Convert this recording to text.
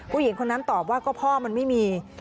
ผู้หญิงคนนั้นตอบว่าก็พ่อมันไม่มี